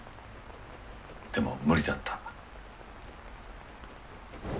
でも無理だった。